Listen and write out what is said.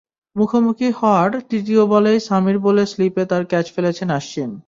মুখোমুখি হওয়ার তৃতীয় বলেই সামির বলে স্লিপে তাঁর ক্যাচ ফেলেছেন অশ্বিন।